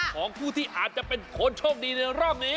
ของผู้ที่อาจจะเป็นคนโชคดีในรอบนี้